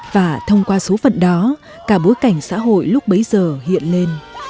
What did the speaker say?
và thông qua số phận đó cả bối cảnh xã hội lúc bấy giờ hiện lên